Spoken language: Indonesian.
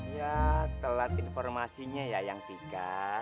ya telat informasinya ya yang tiga